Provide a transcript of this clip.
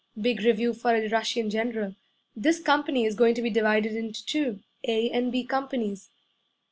Big review for a Russian general. This company is goin' to be divided into two A and B companies.'